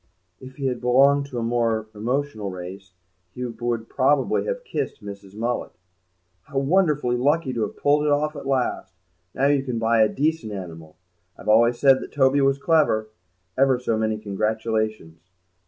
If he had belonged to a more emotional race he would probably have kissed Mrs. Mullet. "How wonderfully lucky to have pulled it off at last! Now you can buy a decent animal. I've always said that Toby was clever. Ever so many congratulations."